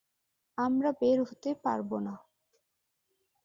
আমরা বের হতে পারবো না।